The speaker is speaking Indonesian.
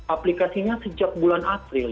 aplikasinya sejak bulan april